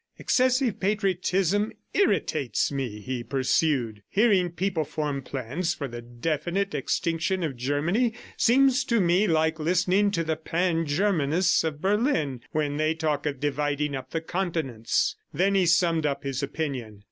"Excessive patriotism irritates me," he pursued. "Hearing people form plans for the definite extinction of Germany seems to me like listening to the Pan Germanists of Berlin when they talk of dividing up the continents." Then he summed up his opinion.